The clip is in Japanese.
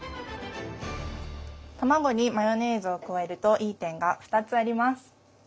卵にマヨネーズを加えるといい点が２つあります。